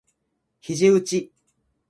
肘うち